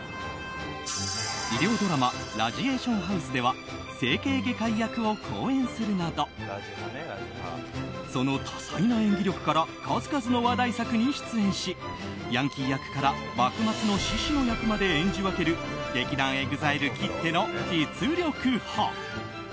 医療ドラマ「ラジエーションハウス」では整形外科医役を好演するなどその多彩な演技力から数々の話題作に出演しヤンキー役から幕末の志士の役まで演じ分ける劇団ＥＸＩＬＥきっての実力派。